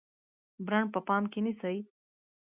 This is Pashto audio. برانډ په پام کې نیسئ؟